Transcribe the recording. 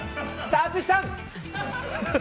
さあ、淳さん！